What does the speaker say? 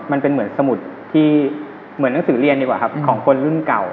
มันเป็นเหมือนสมุดที่เหมือนหนังสือเรียนดีกว่าครับของคนรุ่นเก่า